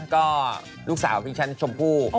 ก็ลูกสาวพี่ฉันชมพู่